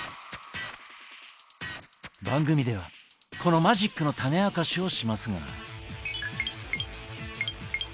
番組ではこのマジックのタネ明かしをしますが。